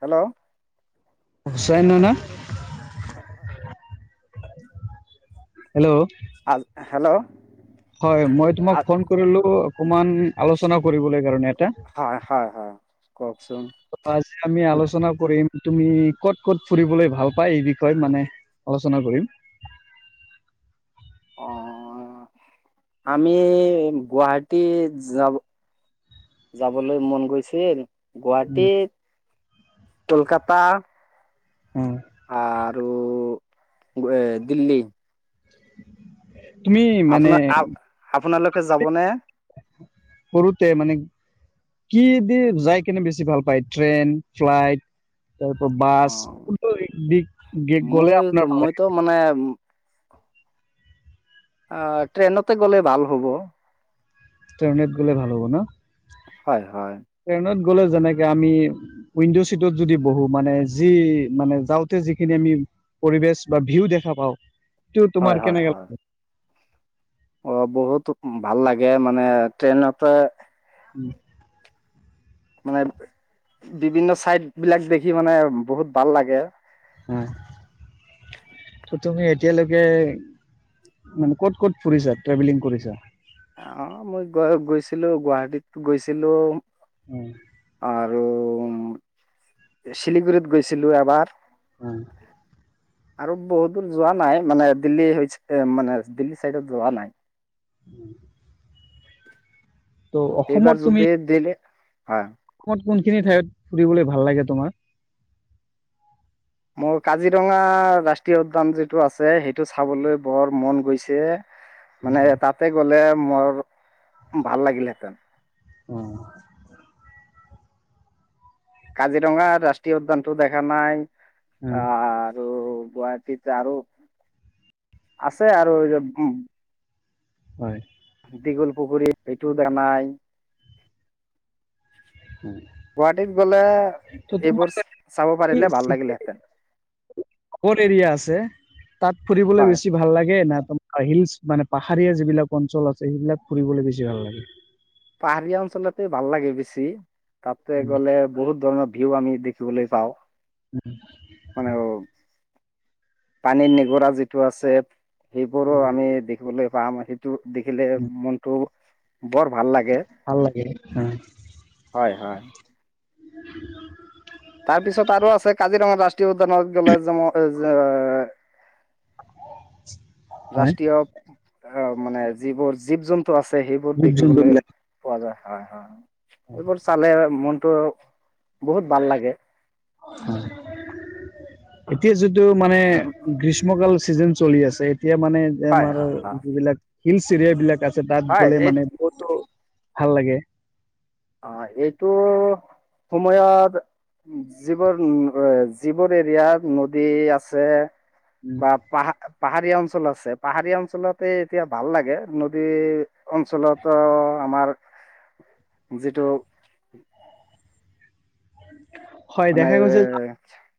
Hello. [unintelligible] [inaudible] Hello, [unintelligible] hello, হয়। মই আ তোমাক ফোন কৰিলো, অকমান আলোচনা কৰিবলৈ কাৰণে এটা। হয়। হয়। হয়। কওকচোন? ত', আজি আমি আলোচনা কৰিম তুমি ক'ত ক'ত ফুৰিবলৈ ভাল পাই, এই বিষয়ে মানে আলোচনা কৰিম। অ [inaudible] আমি গুৱাহাটীত যাব, যাবলৈ মন গৈছিল। উম গুৱাহাটীত, কলকাতা, উম', আৰু [unintelligible] দিল্লী। তুমি মানে আপোনা আ, আপোনালোকে যাবনে? সৰুতে মানে, কি দি যাই কেনে বেছি ভাল পায়? ট্ৰেইন, ফ্লাইট [unintelligible] বাছ অ [unintelligible] দি গ'লে আপোনাৰ ভাল [unintelligible] ত', মানে আহ, ট্ৰেইনতে গ'লে ভাল হ'ব। ট্ৰেইনেত গ'লে ভাল হ'ব ন? হয়। হয়। ট্ৰেইনত গ'লে, যেনেকে আমি উইণ্ডো চিটত যদি বহো মানে, যি মানে, যাওঁতে যিখিনি আমি পৰিবেচ বা ভিউ দেখা পাওঁ, [unintelligible] হয় তোমাৰ হয় কেনেকা‌ হয় অ', বহুতোক ভাল লাগে, মানে ট্ৰেইন পা উম', মানে, বিভিন্ন চাইড বিলাক দেখি, মানে বহুত বাল লাগে। হয়। ত', তুমি এতিয়ালৈকে মানে ক'ত, ক'ত ফুৰিছা, ট্ৰেভেলিং কৰিছা? আ', মই গৈ-গৈছিলো। গুৱাহাটীত গৈছিলো। উম', আৰু শিলিগুৰিত গৈছিলো। এবাৰ, উম', আৰু বহুত দূৰ যোৱা নাই, মানে দিল্লী, [unintelligible] মানে দিল্লী চাইডত যোৱা নাই। [unintelligible] ত' অসমত এইবাৰ তুমি যদি দিলে, [unintelligible] [unintelligible] কোনখিনি ঠাইত, ফুৰিবলৈ ভাল লাগে, তোমাৰ? মোৰ, কাজিৰঙা ৰাষ্ট্ৰীয় উদ্যান যিটো আছে। সেইটো চাবলৈ বৰ মন গৈছে। মানে উম, তাতে গ'লে, মোৰ ভাল লাগিলেহেঁতেন। অ', কাজিৰঙাৰ ৰাষ্ট্ৰীয় উদ্যানটো, দেখা নাই। উম', ত', গুৱাহাটীত আৰু আছে আৰু [unintelligible] হয়। দীঘল পুখুৰীত হেতু দে নাই। গুৱাহাটীত গ'লে ত' তোমাৰ এইবোৰ চাব পাৰিলে, ভাল চিটি লাগিলেহেঁতেন। [unintelligible] এৰিয়া আছে? তাত ফুৰিবলৈ হয় বেছি ভাল লাগে, না তোম হিলচ মানে পাহাৰীয়া যিবিলাক অঞ্চল আছে। সেইবিলাক ফুৰিবলে বেছি ভাল লাগে। পাহাৰীয়া অঞ্চলতে ভাল লাগে বেছি। তাতে গ'লে বহুত ধৰণৰ ভিউ, আমি দেখিবলৈ পাওঁ। উম, পানী নিগৰা যিটো আছে, সেইবোৰো আমি দেখিবলৈ পাম। টো, দেখিলে মনতটো বৰ ভাল লাগে। ভাল লাগে হয়, হয়। তাৰ পিছত আৰু আছে, কাজিৰঙাত ৰাষ্ট্ৰীয় উদ্যানত গ'লে, [inaudible] যে [inaudible] ৰাষ্ট্ৰীয় আহ মানে, যিবোৰ জীৱ-জন্তু আছে, সেইবোৰ জীৱ দেখিবলৈ জন্তুবিলাক। পোৱা যায়। হয়, হয় এইবোৰ চালে মনটো বহুত ভাল লাগে। এতিয়া যিটো মানে, গ্ৰীষ্ গ্ৰীষ্মকাল চিজন চলি আছে, এতিয়া মানে হয় আমাৰ হয় হয় যিবিলাক, হিলচ এৰিয়া বিলাক আছে তাত হয় গ'লে এই মানে, বহুতো ভাল লাগে। অ, সেইটো সময়ত যিবোৰ [unintelligible] যিবোৰ এৰিয়াত নদী আছে উম বা পাহ-পাহাৰীয়া অঞ্চল আছে, পাহাৰীয়া অঞ্চলতে এতিয়া ভাল লাগে নদী অঞ্চলতো আমাৰ যিটো হয়, মানে দেখা গৈছে যে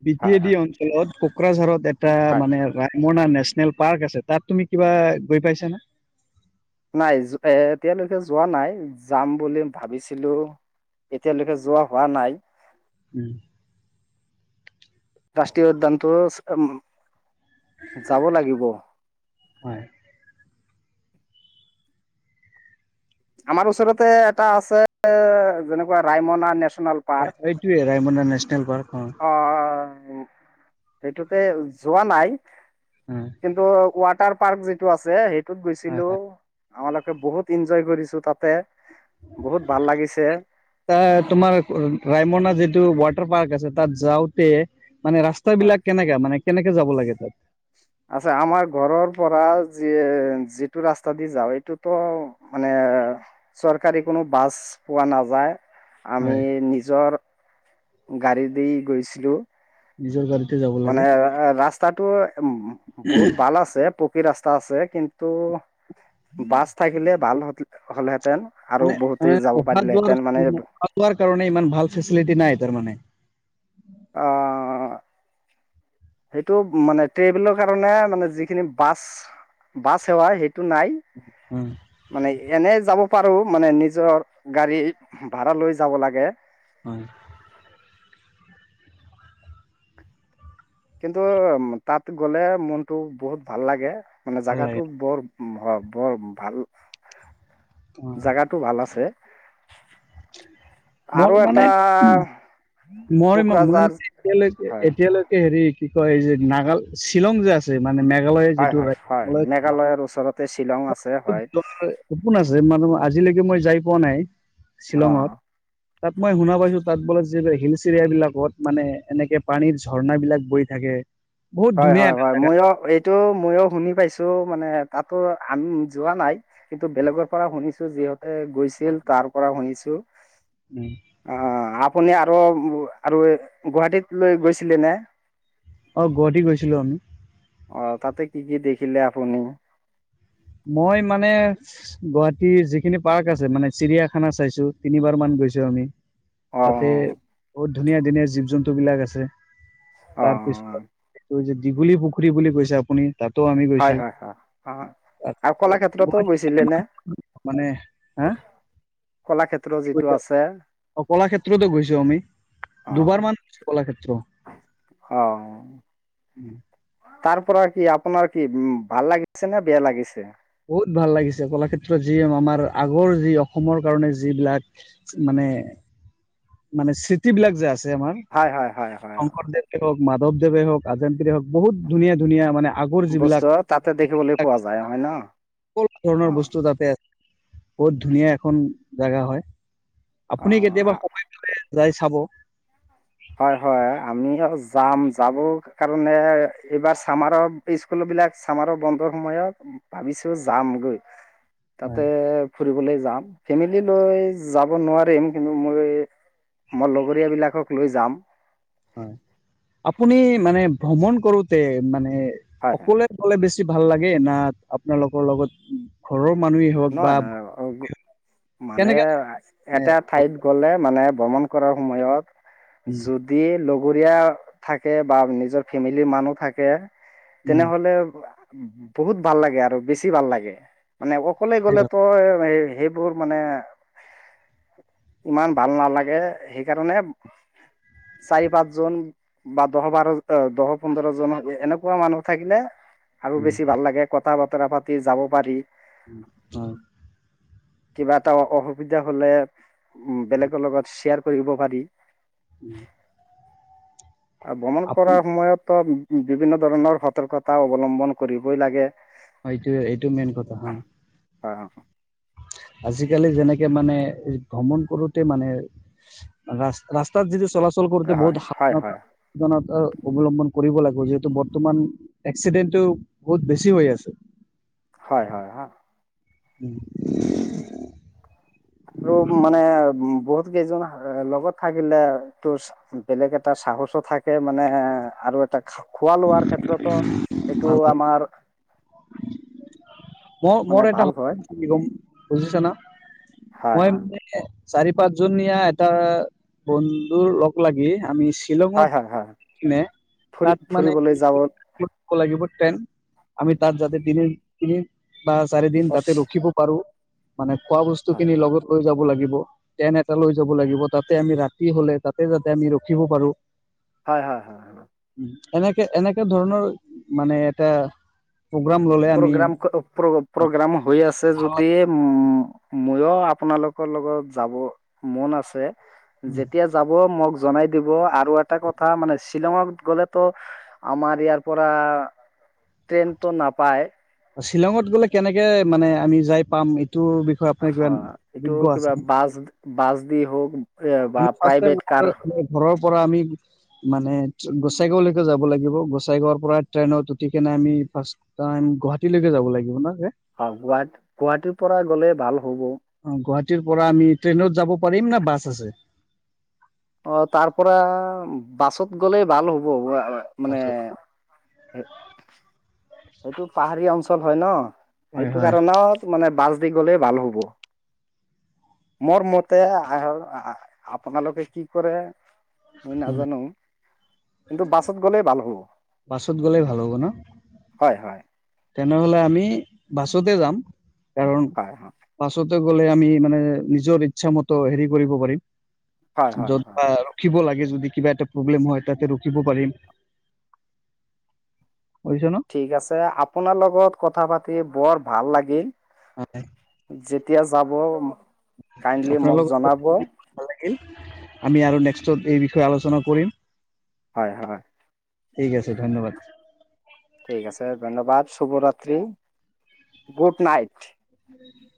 বি-টি হয় এ, হয় ডি অঞ্চলত কোকৰাঝাৰত এটা হয় মানে ৰা মোৰ না, নেচনেল পাৰ্ক আছে তাত তুমি কিবা গৈ পাইছা না? নাই এ, এতিয়ালৈকে যোৱা নাই যাম বুলি ভাবিছিলো। এতিয়ালৈকে যোৱা হোৱা নাই। উম, ৰাষ্ট্ৰীয় উদ্যানতটো, যাব লাগিব। হয়। আমাৰ ওচৰতে এটা আছে, যেনেকুৱা ৰায়মনা নেচনেল পাৰ্ক এইটোৱে ৰায়মনা নেচনেল পাৰ্ক অ, সেইটো, যোৱা নাই। উ, কিন্তু ৱাটাৰ পাৰ্ক যিটো আছে, সেইটোত হয় গৈছিলো, হয় আমালোকে বহুত এনজয় কৰিছিল তাতে, বহুত ভাল লাগিছে। এ, তোমাৰ ৰায়মনা যিটো ৱাটাৰ পাৰ্ক আছে, তাত যাওঁতে। মানে হয় ৰাস্তাাবলাক কেনেকা, মানে কেনেকে যাব লাগে তাত? আছে, আমাৰ ঘৰৰ পৰা য, যিটো ৰাস্তা দি যাওঁ এইটোতো মানে, চৰকাৰী কোনো বাছ পোৱা নাযায়। আমি হয় নিজৰ, গাড়ী দি গৈছিলোঁ। নিজৰ গাড়ীতে যাব লাগে। এ, ৰাস্তাটো উ বহুত ভাল আছে। ৰাস্তা আছে, কিন্তু বাছ থাকিলে ভাল হ'লহেতেন। আৰু মানে বহুতে যাব পাৰিলেহেঁতেন, মানে চোৱাৰ কাৰণে ইমান ভাল ফেচিলিটি নাই তাৰ মানে। অ, সেইটো মানে, ট্ৰেবেলৰ কাৰণে মানে যিখিনি বাছ বাছ সেৱা সেইটো নাই। উম, মানে এনে যাব পাৰো, মানে নিজৰ গাড়ীত ভাড়া লৈ যাব লাগে। হয়। কিন্তু তাত গ'লে মনটো বহুত ভাল লাগে, মানে ভাল লাগে জেগাটো বৰ হয় বৰ ভাল অ [unintelligible] জাগাটো ভাল আছে। [unintelligible] মোৰ আৰু মানে এটা [unintelligible] মই মানে কোকৰাঝাৰ এতিয়ালৈকে হয় এতিয়ালৈ হেৰি কি কয় যে নাগাল শ্বিলং যে আছে মানে মেঘালয় যিটো [unintelligible] তাৰ ওচৰত। শ্বিলং আছে। হয় [unintelligible] সপোন আছে মানে আজিলৈকে মই যাই পোৱা নাই অ শ্বিলঙত। তাত মই শুনা পাইছোঁ তাত বোলে যে হিলচ এৰিয়া বিলাকত মানে এনেকে পানীৰ ঝৰ্ণা বিলাক বৈ থাকে। বহুত ধুনীয়া এটা হয়-হয়-হয়, জেগা মইয়ো এইটো ম‌ইয়ো শুনি পাইছোঁ মানে তাতো আমি যোৱা নাই। কিন্তু বেলেগৰ পৰা শুনিছোঁ। যিহঁতে গৈছিল তাৰ পৰা শুনিছোঁ। উম। অ‍ঁ! আপুনি আৰু-আৰু গুৱাহাটীত লৈ গৈছিলে নে? অঁ! গুৱাহাটী গৈছিলোঁ আমি। অঁ! তাতে কি কি দেখিলে আপুনি? মই মানে গুৱাহাটীৰ যিখিনি পাৰ্ক আছে, মানে চিৰিয়াখানা চাইছোঁ তিনিবাৰ মান গৈছোঁ আমি। অ', তাতে, বহুত ধুনীয়া-ধুনীয়া জীৱ-জন্তু বিলাক আছে। তাৰপিছত অ', এইটো যে দীঘলী পুখুৰী বুলি কৈছে আপুনি তাতো আমি গৈছো হয়-হয়-হয় অঁ! আৰু তাৰপিছত কলাক্ষেত্ৰতো গৈছিলে নে? গুৱাহাটী [unintelligible] কলাক্ষেত্ৰ [unintelligible] যিটো অঁ! আছে কলাক্ষেত্ৰতো গৈছোঁ আমি। দুবাৰ মান গৈছোঁ কলাক্ষেত্ৰ। অঁ। উম। তাৰ পৰা কি, আপোনাৰ কি, উম ভাল লাগিছে নে বেয়া লাগিছে? বহুত ভাল লাগিছে। কলাক্ষেত্ৰত যি আমাৰ, আগৰ যি অসমৰ কাৰণে যিবিলাক মানে মানে সৃষ্টি বিলাক যে আছে আমাৰ। হয়-হয়-হয়-হয়, অঁ। এ ধৰক মাধৱদেৱে হওঁক, আজানপিৰে হওঁক। বহুত ধুনীয়া-ধুনীয়া মানে আগৰ বস্তু যিবিলাক [unintelligible] তাতে দেখিবলৈ পোৱা যায় হয় ন? সকলো ধৰণৰ অঁ বস্তু তাতে আছে। বহুত ধুনীয়া এখন জেগা হয়। আপুনি কেতিয়াবা অঁ সময় পালে যাই চাব। হয়-হয়। আমিও যাম, যাব কাৰণে এইবাৰ চামাৰৰ স্কুল বিলাক চামাৰ বন্ধৰ সময়ত, ভাবিছোঁ যামগৈ। তাতে হয় ফুৰিবলৈ যাম। ফেমিলি লৈ যাব নোৱাৰিম কিন্তু, মোৰ এই মোৰ লগৰীয়া বিলাকক লৈ যাম। হয়। আপুনি মানে ভ্ৰমণ কৰোঁতে, মানে হয় হয় অকলে অকলে বেছি ভাল লাগে না আপোনাৰ লগৰ লগত? [unintelligible] ঘৰৰ মানুহেই হওঁক বা নহয় নহয় অ', গ- [inaudible] মানে কেনেকা থাক মানে এটা ঠাইত গ'লে মানে ভ্ৰমণ কৰাৰ সময়ত যত উম যদি লগৰীয়া থাকে বা নিজৰ ফেমিলিৰ মানুহ থাকে উম তেনেহ'লে বহুত ভাল লাগে, আৰু বেছি ভাল লাগে। মানে অক অকলে গ'লে সেইটোৱে কথা। তই এ সেইবোৰ মানে ইমান ভাল নালাগে সেইকাৰণে, চাৰি, পাঁচ জন বা দহ, বাৰ, ভিতৰ দহ, পোন্ধৰ জন, এনেকুৱা মানুহ থাকিলে আৰু উম বেছি ভাল লাগে, কথা-বতৰা পাতি যাব পাৰি। উম, হয়। কিবা এটা অ-অসুবিধা হলে, বেলেগৰ লগত শ্বেয়াৰ কৰিব পাৰি। উম। আৰু ভ্ৰমণ কৰাৰ সময়তো বিভিন্ন ধৰণৰ সতৰ্কতা অৱলম্বন কৰিবই লাগে। অ', এইটোৱে, এইটো মেইন কথা হয়। অ', আজিকালি যেনেকে মানে ভ্ৰমণ কৰোঁতে মানে ৰাস্ত-ৰাস্তাত যদি চলাচল কৰোঁতে হয় বহুত হয় সাৱধানতা হয় সাৱধানতা অৱলম্বন কৰিব লাগিব। যিহেতু বৰ্তমান এক্সিডেণ্টটো বহুত বেছি হৈ আছে। হয়-হয়-হয়। উম। তো মানে উম, বহুত কেইজন এ লগত থাকিলে তোৰ চা বেলেগ এটা সাহসো থাকে, মানে আৰু এটা খোৱা-লোৱাৰ ক্ষেত্ৰতো এইটো ভাল হয় আমাৰ মানে ভাল হয়। কি কম বুজিছা না? হয় মই হয় মানে চাৰি, পাঁচজনীয়া এটা বন্ধুৰ লগ লাগি আমি হয় শ্বিলঙত হয় কিনে তাত মানে, যাবত [unintelligible] লাগিব তেন আমি তাত যাতে দিনে তিনি বা চাৰি দিন তাতে ৰখিব পাৰো মানে খোৱা বস্তু খিনি লগত, লৈ যাব লাগিব। টেন এটা লৈ যাব লাগিব তাতে আমি ৰাতি হলে তাতে যাতে আমি ৰখিব পাৰো। হয়-হয়-হয়। উ এনেকে-এনেকে ধৰণৰ মানে এটা প্ৰগ্ৰাম ল'লে, আমি প্ৰগ্ৰাম প্ৰগ্ৰাম হৈ আছে যদি ময়ো আপোনালোকৰ লগত যাব মন আছে, যেতিয়া যাব মোক জনাই দিব আৰু এটা কথা মানে শ্বিলঙত গ'লেতো আমাৰ ইয়াৰ পৰা ট্ৰেনটো নাপায়? শ্বিলঙত গ'লে কেনেকে মানে আমি যাই পাম এইটো বিষয়ে আপোনাৰ কিবা হয়, এইটো অভিজ্ঞ আছে কিবা নে বাছ-বাছ দি হওক বা আমি ফাৰ্ষ্ট টাইম প্ৰাইভেট কাৰ, ঘৰৰ পৰা আমি মানে গোচাইগাঁওলৈকে যাব লাগিব গোচাইগাঁওৰ পৰা ট্ৰেইনত উঠি কিনে আমি ফাৰ্ষ তাইম গুৱাহাটীলৈকে যাব লাগিব না অ, গুৱাহাটী-গুৱাহাটীৰ পৰা গ'লে ভাল হ'ব। অ, গুৱাহাটীৰ পৰা আমি ট্ৰেইনত যাব পাৰিম না বাছ আছে। অ, তাৰ পৰা বাছত গ'লে ভাল হ'ব মানে এইটো পাহাৰী অঞ্চল হয় ন' হয় সেইটো হয় কাৰণত মানে বাছ দি গলেই ভাল হ'ব। মোৰ মতে আ-আপোনালোকে কি কৰে মই নাজানো- কিন্তু বাছত গ'লেই ভাল হ'ব। বাছত গ'লে ভাল হ'ব ন। হয় হয়। তেনে হ'লে আমি বাছতে যাম। কাৰণ হয় হয়। বাছতে গ'লে আমি মানে নিজৰ ইচ্ছা মতে হেৰি কৰিব পাৰিম। হয় হয় যত হয় বা ৰখিব লাগে যদি কিবা এটা প্ৰব্লেম হয় তাতে ৰখিব পাৰিম। কৰিছ ন? ঠিক আছে, আপোনাৰ লগত কথা পাতি বৰ ভাল লাগিল। হয় যেতিয়া যাব কাইণ্ডলি আপোনাৰ মোক লগত কথা জনাব। পাতি ভাল লাগিল, আমি আৰু নেক্সটত এই বিষয়ে আলোচনা কৰিম। হয় হয় ঠিক আছে ধন্যবাদ। ঠিক আছে, ধন্যবাদ, শুভ ৰাত্ৰি, গুড নাইট। [unintelligible]